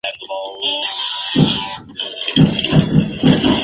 Especialistas en el tema lo consideran el mejor boxeador uruguayo de todos los tiempos.